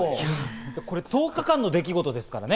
これ１０日間の出来事ですからね。